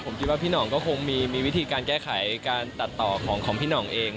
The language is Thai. ผมคิดว่าพี่ห่องก็คงมีวิธีการแก้ไขการตัดต่อของพี่หน่องเอง